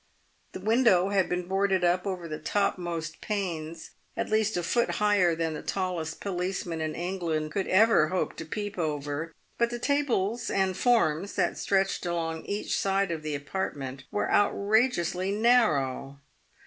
The window had been boarded over up to the topmost panes, at least a foot higher than the tallest police man in England could ever hope to peep over ; but the tables and forms that stretched along each side of the apartment were outrage ously narrow.